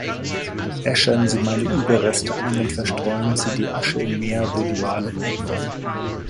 Äschern Sie meine Überreste ein und verstreuen Sie die Asche im Meer, wo die Wale leben.